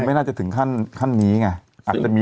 ไม่น่าจะถึงขั้นนี้ไง